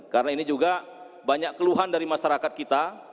karena ini juga banyak keluhan dari masyarakat kita